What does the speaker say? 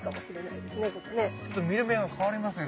ちょっと見る目が変わりますね。